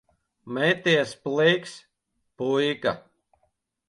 Meties pliks, puika.